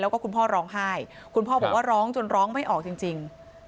แล้วก็คุณพ่อร้องไห้คุณพ่อบอกว่าร้องจนร้องไม่ออกจริง